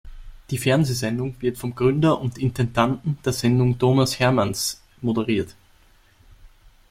Die Fernsehsendung wird vom Gründer und Intendanten der Sendung, Thomas Hermanns, moderiert.